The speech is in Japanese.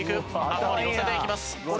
頭にのせていきます。